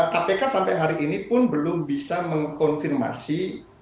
kpk sampai hari ini pun belum bisa mengkonfirmasi